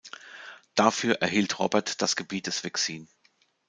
Dafür erhielt Robert das Gebiet des Vexin.